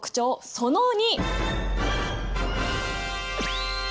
その２！